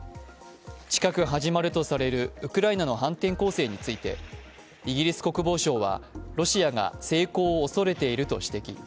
近く始まるとされるウクライナの反転攻勢についてイギリス国防省はロシアが成功をおそれていると指摘。